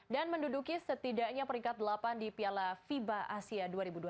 dan menduduki setidaknya peringkat delapan di piala fiba asia dua ribu dua puluh satu